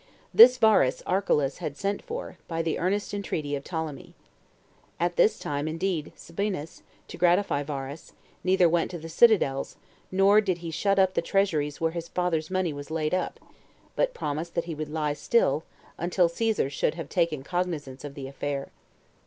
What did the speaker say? This Varus Archelaus had sent for, by the earnest entreaty of Ptolemy. At this time, indeed, Sabinus, to gratify Varus, neither went to the citadels, nor did he shut up the treasuries where his father's money was laid up, but promised that he would lie still, until Caesar should have taken cognizance of the affair.